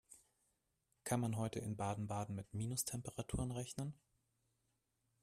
Kann man heute in Baden-Baden mit Minustemperaturen rechnen?